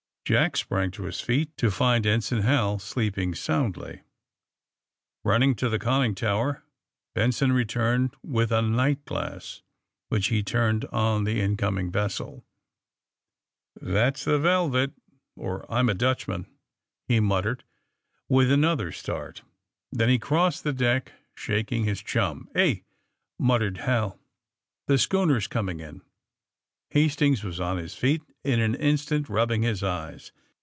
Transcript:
Jack sprang to his feet, to find Ensign Hal sleeping soundly. Running to the conning tower Benson returned with a night glass, which he turned on the incoming vessel. ^* That's the ^Velvet,' or I'm a Dutchman!" he muttered, with another start. Then he crossed the deck, shaking his chum. ^^Eh!" muttered HaL The schooner is coming in !" Hastings was on his feet in an instant, rub bing his eyes.